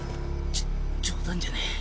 じょ冗談じゃねえ。